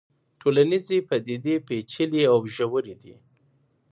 ټولنيزې پديدې پېچلې او ژورې دي.